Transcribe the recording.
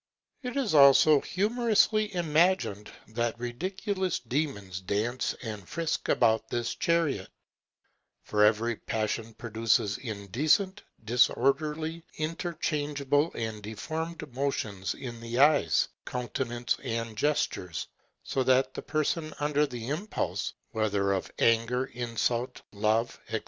It is also humorously imagined, that ridiculous demons dance and frisk about this chariot; for every passion produces indecent, disorderly, interchangeable and deformed motions in the eyes, countenance, and gesture, so that the person under the impulse, whether of anger, insult, love, &c.